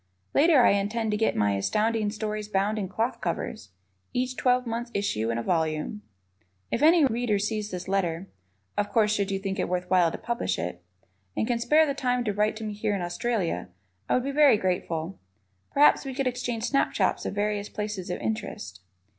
Later I intend to get my Astounding Stories bound in cloth covers, each twelve months' issue in a volume. If any Reader sees this letter of course, should you think it worth while to publish it and can spare the time to write to me here in Australia, I would be very grateful. Perhaps we could exchange snapshots of various places of interest.